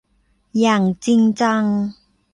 อย่างจริงจัง